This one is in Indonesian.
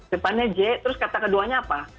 depannya j terus kata keduanya apa